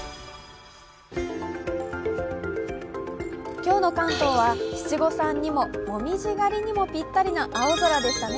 今日の関東は七五三にも紅葉狩りにもぴったりな青空でしたね。